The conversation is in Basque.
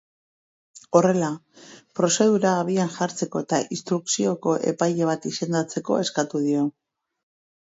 Horrela, prozedura abian jartzeko eta instrukzioko epaile bat izendatzeko eskatu dio.